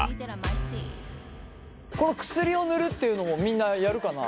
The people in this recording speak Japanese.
この薬を塗るっていうのもみんなやるかな。